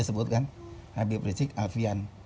disebutkan habib rizik alfian